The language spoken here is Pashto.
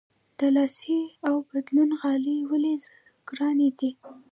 د لاسي اوبدلو غالۍ ولې ګرانې دي؟